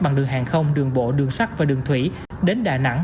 bằng đường hàng không đường bộ đường sắt và đường thủy đến đà nẵng